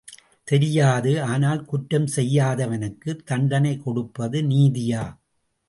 தெரியாது, ஆனால் குற்றம் செய்யாதவனுக்குத் தண்டனை கொடுப்பது நீதியா?